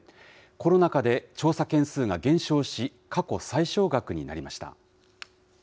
コロナ禍で調査件数が減少し、過去最少額になりました。